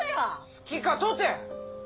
好きかとて！？